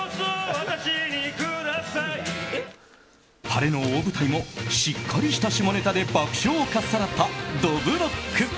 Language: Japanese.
晴れの大舞台もしっかりした下ネタで爆笑をかっさらった、どぶろっく。